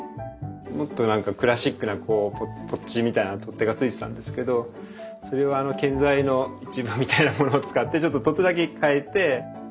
もっとなんかクラシックなこうポッチみたいな取っ手がついてたんですけどそれは建材の一部みたいなものを使ってちょっと取っ手だけ替えて。